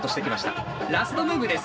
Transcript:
ラストムーブです。